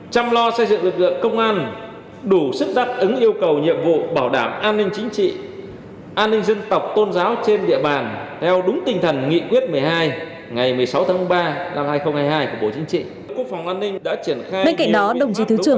chăm lo xây dựng lực lượng công an đủ sức đắc ứng yêu cầu nhiệm vụ bảo đảm an ninh chính trị an ninh dân tộc tôn giáo trên địa bàn theo đúng tinh thần nghị quyết một mươi hai ngày một mươi sáu tháng ba năm hai nghìn hai mươi hai của bộ chính trị